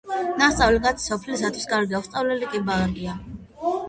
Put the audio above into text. ნასწავლი კაცი სოფლისთვის კარგია, უსწავლელი კი ბარგია